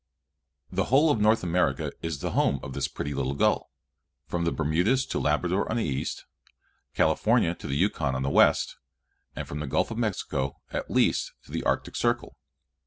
The whole of North America is the home of this pretty little gull from the Bermudas to Labrador on the east, California to the Yukon on the west, and from the Gulf of Mexico at least to the Arctic circle.